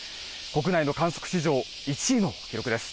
国内の観測史上１位の記録です。